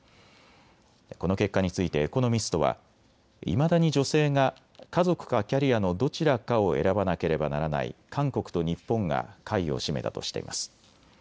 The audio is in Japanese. この結果についてエコノミストはいまだに女性が家族かキャリアのどちらかを選ばなければならない韓国と日本が下位を占めたとしています。